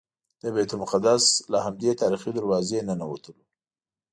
د بیت المقدس له همدې تاریخي دروازې ننوتلو.